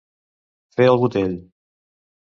Fer el botell.